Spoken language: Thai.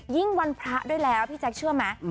วันพระด้วยแล้วพี่แจ๊คเชื่อไหม